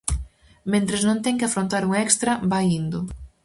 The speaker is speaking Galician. Mentres non ten que afrontar un extra, vai indo.